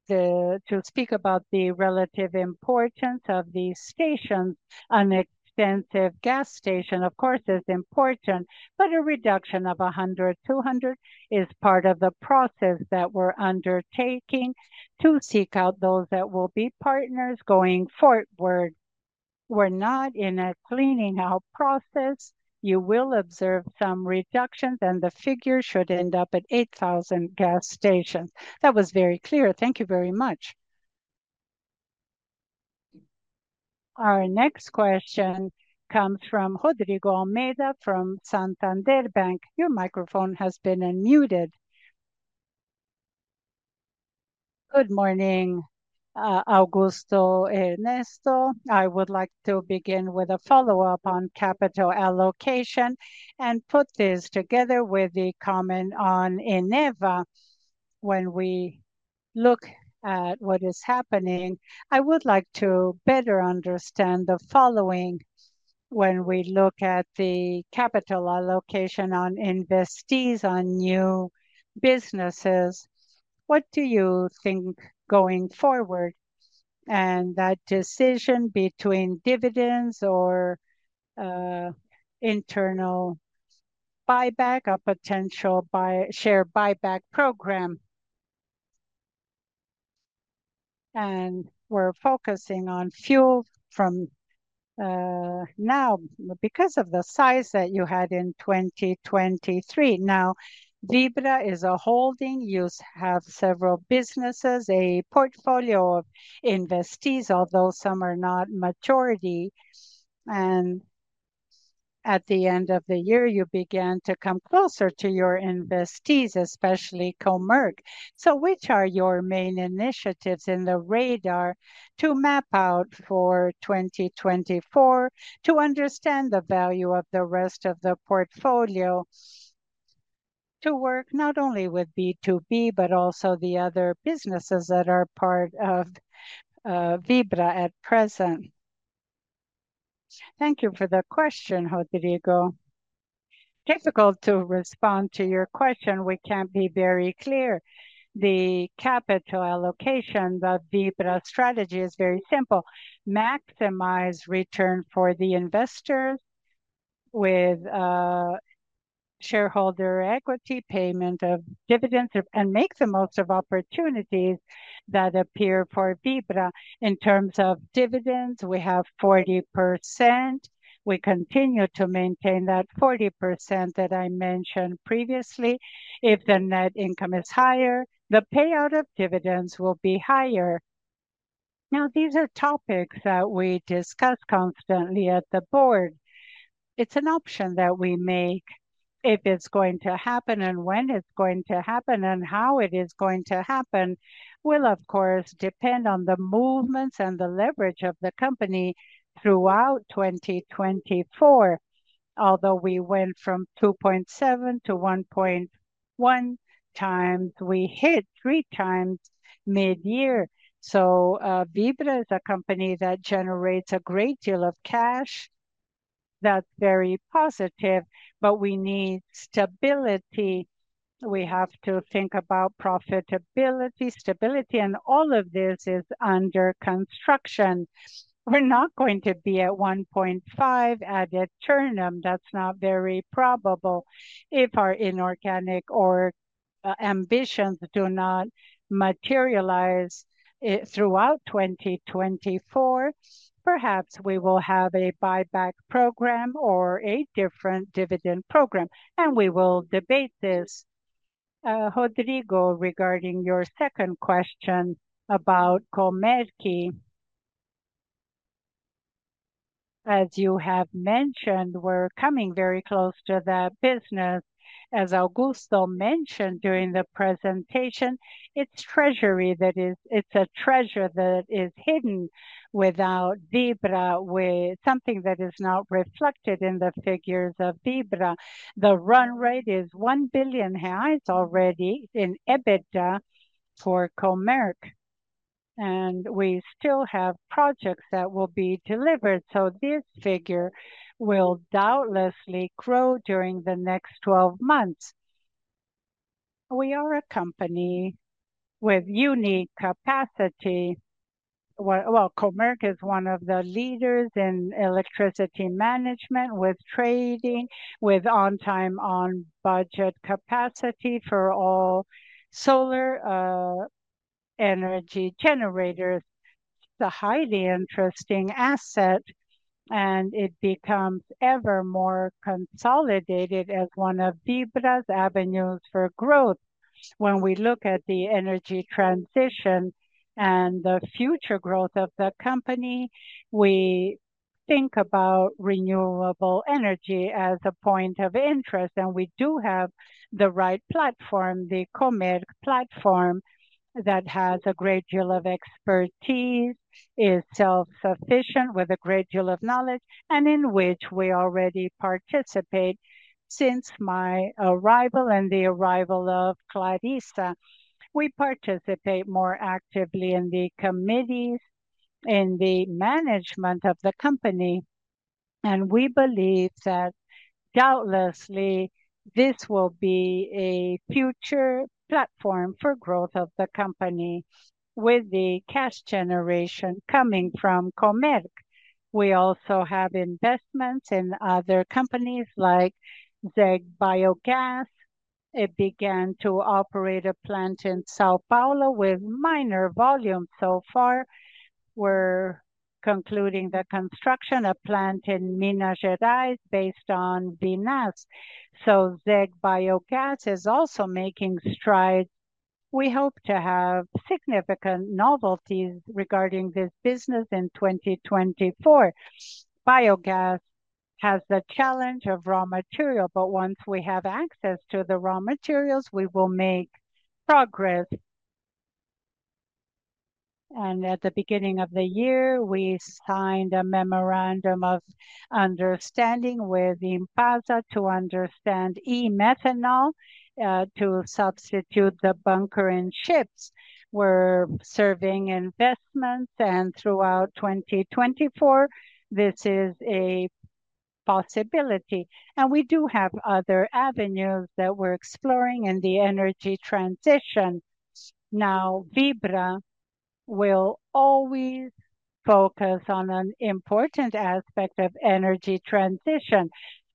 To speak about the relative importance of these stations, an extensive gas station, of course, is important, but a reduction of 100, 200 is part of the process that we're undertaking to seek out those that will be partners going forward. We're not in a cleaning out process. You will observe some reductions, and the figure should end up at 8,000 gas stations. That was very clear. Thank you very much. Our next question comes from Rodrigo Almeida from Santander. Your microphone has been unmuted. Good morning, Augusto. Ernesto, I would like to begin with a follow-up on capital allocation and put this together with the comment on Eneva. When we look at what is happening, I would like to better understand the following: when we look at the capital allocation on investees on new businesses, what do you think going forward? And that decision between dividends or, internal buyback, a potential buy share buyback program? And we're focusing on fuel from, now because of the size that you had in 2023. Now, Vibra is a holding. You have several businesses, a portfolio of investees, although some are not maturity. At the end of the year, you began to come closer to your investees, especially Comerc. So which are your main initiatives in the radar to map out for 2024, to understand the value of the rest of the portfolio, to work not only with B2B but also the other businesses that are part of, Vibra at present? Thank you for the question, Rodrigo. Difficult to respond to your question. We can't be very clear. The capital allocation, the Vibra strategy is very simple: maximize return for the investors with, shareholder equity payment of dividends and make the most of opportunities that appear for Vibra. In terms of dividends, we have 40%. We continue to maintain that 40% that I mentioned previously. If the net income is higher, the payout of dividends will be higher. Now, these are topics that we discuss constantly at the board. It's an option that we make. If it's going to happen and when it's going to happen and how it is going to happen will, of course, depend on the movements and the leverage of the company throughout 2024. Although we went from 2.7 to 1.1 times, we hit 3 times mid-year. So Vibra is a company that generates a great deal of cash. That's very positive. But we need stability. We have to think about profitability, stability. And all of this is under construction. We're not going to be at 1.5 at eternum. That's not very probable. If our inorganic ambitions do not materialize throughout 2024, perhaps we will have a buyback program or a different dividend program, and we will debate this. Rodrigo, regarding your second question about Comerc, as you have mentioned, we're coming very close to that business. As Augusto mentioned during the presentation, it's treasury that is it's a treasure that is hidden without Vibra, with something that is not reflected in the figures of Vibra. The run rate is 1 billion reais already in EBITDA for Comerc, and we still have projects that will be delivered. So this figure will doubtlessly grow during the next 12 months. We are a company with unique capacity. Well, Comerc is one of the leaders in electricity management, with trading, with on-time, on-budget capacity for all solar, energy generators. It's a highly interesting asset, and it becomes ever more consolidated as one of Vibra's avenues for growth. When we look at the energy transition and the future growth of the company, we think about renewable energy as a point of interest. We do have the right platform, the Comerc platform, that has a great deal of expertise, is self-sufficient with a great deal of knowledge, and in which we already participate since my arrival and the arrival of Clarissa. We participate more actively in the committees, in the management of the company, and we believe that doubtlessly this will be a future platform for growth of the company, with the cash generation coming from Comerc. We also have investments in other companies like ZEG Biogás. It began to operate a plant in São Paulo with minor volume so far. We're concluding the construction of a plant in Minas Gerais based on biomass. So ZEG Biogás is also making strides. We hope to have significant novelties regarding this business in 2024. Biogas has the challenge of raw material, but once we have access to the raw materials, we will make progress. At the beginning of the year, we signed a memorandum of understanding with Impasa to understand e-methanol, to substitute the bunker in ships. We're serving investments, and throughout 2024, this is a possibility. We do have other avenues that we're exploring in the energy transition. Now, Vibra will always focus on an important aspect of energy transition,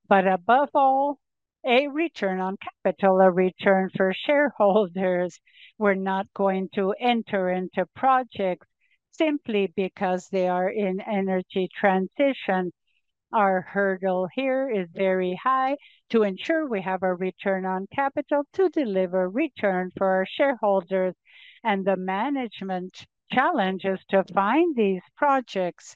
but above all, a return on capital, a return for shareholders. We're not going to enter into projects simply because they are in energy transition. Our hurdle here is very high to ensure we have a return on capital, to deliver return for our shareholders. The management challenge is to find these projects.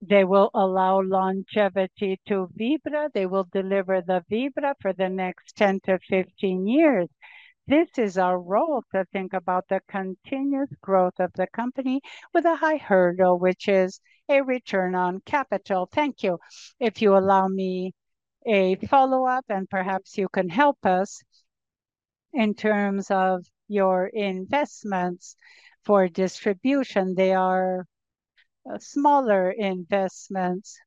They will allow longevity to Vibra. They will deliver the Vibra for the next 10-15 years. This is our role: to think about the continuous growth of the company with a high hurdle, which is a return on capital. Thank you. If you allow me a follow-up, and perhaps you can help us in terms of your investments for distribution, they are smaller investments.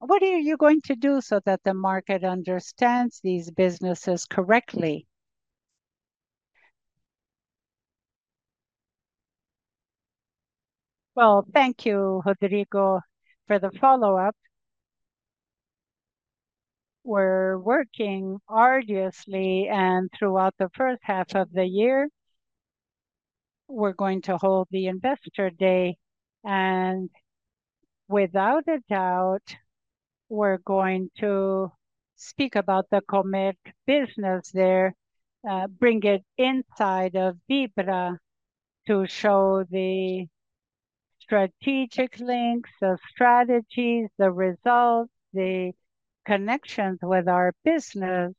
What are you going to do so that the market understands these businesses correctly? Well, thank you, Rodrigo, for the follow-up. We're working arduously, and throughout the first half of the year, we're going to hold the Investor Day. Without a doubt, we're going to speak about the Comerc business there, bring it inside of Vibra to show the strategic links, the strategies, the results, the connections with our business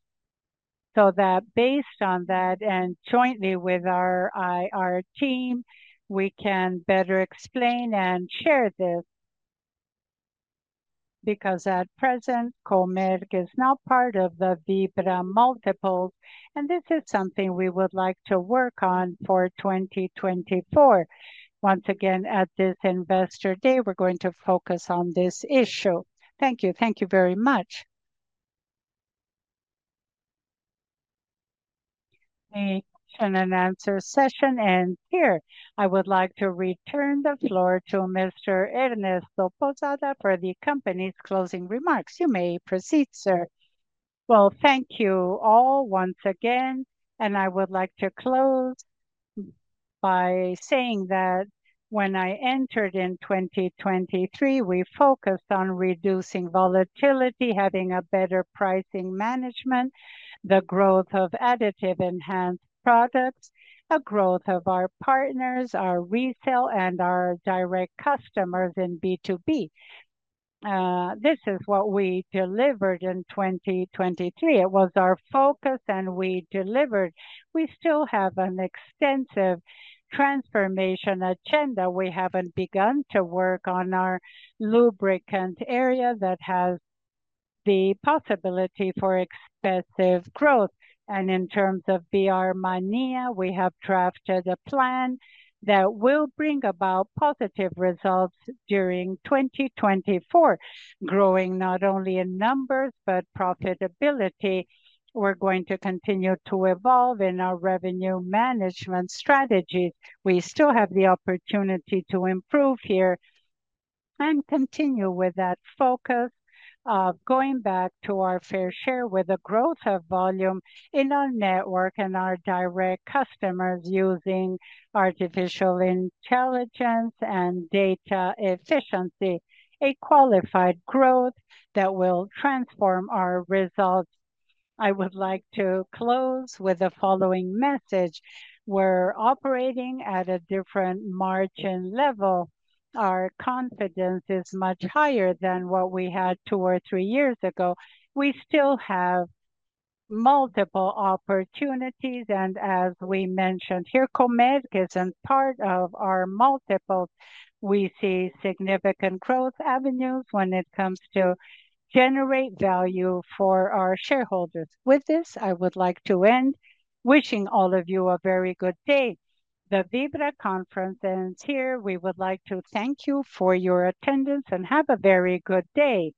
so that based on that and jointly with our IR team, we can better explain and share this. Because at present, Comerc is now part of the Vibra multiples, and this is something we would like to work on for 2024. Once again, at this Investor Day, we're going to focus on this issue. Thank you. Thank you very much. The Question and Answer session ends here. I would like to return the floor to Mr. Ernesto Pousada for the company's closing remarks. You may proceed, sir. Well, thank you all once again. I would like to close by saying that when I entered in 2023, we focused on reducing volatility, having a better pricing management, the growth of additive enhanced products, the growth of our partners, our resale, and our direct customers in B2B. This is what we delivered in 2023. It was our focus, and we delivered. We still have an extensive transformation agenda. We haven't begun to work on our lubricant area that has the possibility for expressive growth. In terms of BR Mania, we have drafted a plan that will bring about positive results during 2024, growing not only in numbers but profitability. We're going to continue to evolve in our revenue management strategies. We still have the opportunity to improve here and continue with that focus of going back to our fair share with the growth of volume in our network and our direct customers using artificial intelligence and data efficiency, a qualified growth that will transform our results. I would like to close with the following message. We're operating at a different margin level. Our confidence is much higher than what we had two or three years ago. We still have multiple opportunities. As we mentioned here, Comerc isn't part of our multiples. We see significant growth avenues when it comes to generating value for our shareholders. With this, I would like to end wishing all of you a very good day. The Vibra conference ends here. We would like to thank you for your attendance and have a very good day.